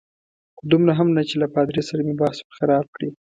خو دومره هم نه چې له پادري سره مې بحث ور خراب کړي.